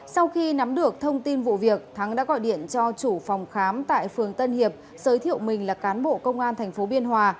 sau khi nắm được thông tin vụ việc thắng đã gọi điện cho chủ phòng khám tại phường tân hiệp giới thiệu mình là cán bộ công an tp biên hòa